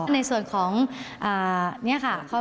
ในส่วนของนี่ค่ะ